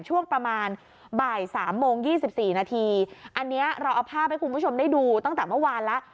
ช่วงประมาณบ่ายสามโมง๒๔นาทีอันนี้เราเอาภาพให้คุณผู้ชมได้ดูตั้งแต่เมื่อวานแล้ว